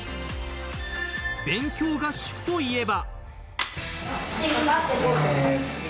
勉強合宿といえば。